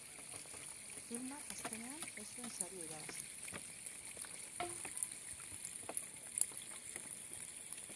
Filmak, azkenean, ez zuen saria irabazi.